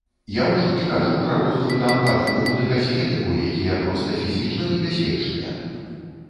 Я ўжо не кажу пра розную там парфуму ды касметыку, якія проста фізічна небяспечныя!